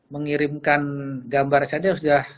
mengirimkan gambar saja sudah